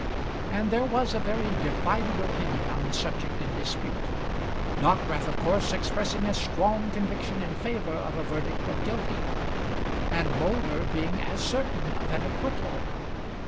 And there was a very divided opinion on the subject in dispute; Dockwrath, of course, expressing a strong conviction in favour of a verdict of guilty, and Moulder being as certain of an acquittal.